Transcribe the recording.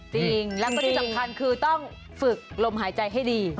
จริงแล้วก็ที่สำคัญคือต้องฝึกลมหายใจให้ดี